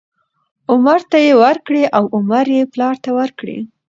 عمر ته یې ورکړې او عمر یې پلار ته ورکړې،